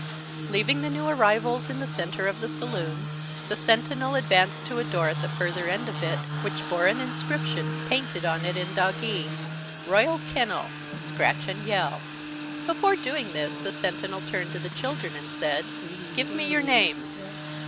Leaving the new arrivals in the centre of the Saloon, the Sentinel advanced to a door, at the further end of it, which bore an inscription, painted on it in Doggee, "Royal Kennel scratch and Yell." Before doing this, the Sentinel turned to the children, and said "Give me your names."